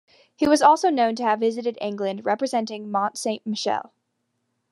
He was also known to have visited England representing Mont Saint-Michel.